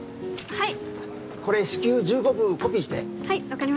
はい。